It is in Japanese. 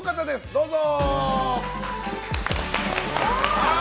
どうぞ！